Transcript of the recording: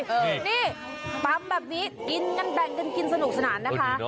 นี่ตำแบบนี้กินกันแบ่งกันกินสนุกสนานนะคะ